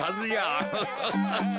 アハハハ！